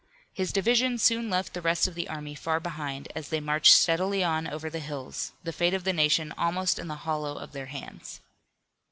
His division soon left the rest of the army far behind, as they marched steadily on over the hills, the fate of the nation almost in the hollow of their hands.